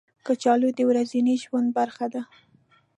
کچالو د ورځني ژوند برخه ده